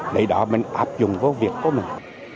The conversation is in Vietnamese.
để đó mình áp dụng vô việc của mình